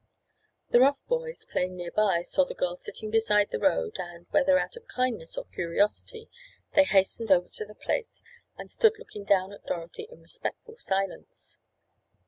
The rough boys, playing nearby saw the girl sitting beside the road and, whether out of kindness or curiosity they hastened over to the place and stood looking down at Dorothy in respectful silence.